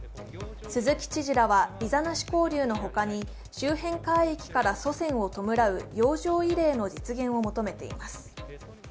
鈴木知事らはビザなし交流のほかに周辺海域から祖先を弔う洋上慰霊の実現を求めています。